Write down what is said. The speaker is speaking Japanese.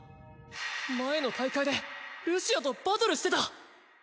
前の大会でルシアとバトルしてた。